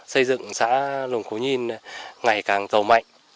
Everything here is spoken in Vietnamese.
xây dựng xã lùng khấu nhiên ngày càng giàu mạnh